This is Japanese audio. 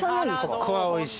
ここはおいしいです。